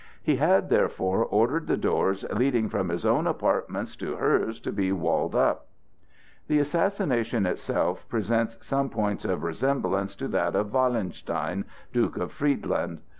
He had therefore ordered the doors leading from his own apartments to hers to be walled up. The assassination itself presents some points of resemblance to that of Wallenstein, Duke of Friedland.